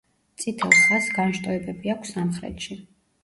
წითელ ხაზს განშტოებები აქვს სამხრეთში.